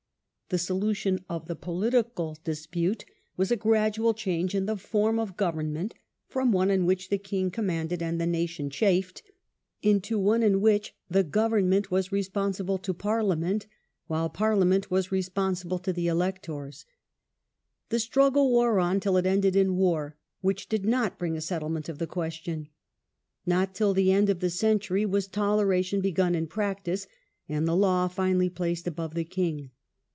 The solu soiutionin tion of the political dispute was a gradual the future, ^.j^^j^g^ ^f ^j^^ f^^^ ^f government from one in which the king commanded and the nation chafed, into one in which the government was responsible to Parlia ment, while Parliament was responsible to the electors. The struggle wore on till it ended in war, which did not bring a settlement of the question. Not till the end of the century was toleration begun in practice, and the law finally placed above the king.